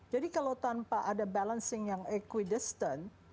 jadi kalau tanpa ada balancing yang equidistant